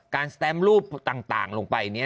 การแสตมป์ลูปต่างลงไป